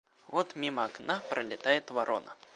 Вот мимо окна пролетает ворона.